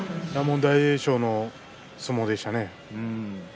大栄翔の相撲でしたね。